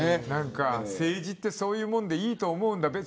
政治ってそういうものでいいと思うんだ。